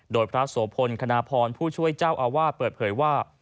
โดยพระโสพลคณพรผู้ช่วยเจ้าอาวาสเปิดเผยว่า